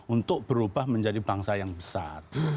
untuk berubah menjadi bangsa yang besar